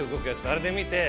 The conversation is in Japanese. あれで見て。